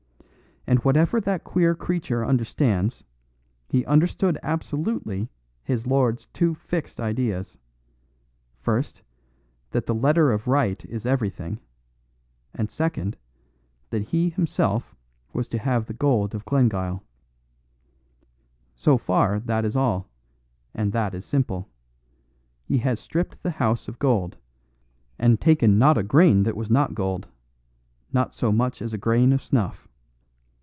And whatever that queer creature understands, he understood absolutely his lord's two fixed ideas: first, that the letter of right is everything; and second, that he himself was to have the gold of Glengyle. So far, that is all; and that is simple. He has stripped the house of gold, and taken not a grain that was not gold; not so much as a grain of snuff.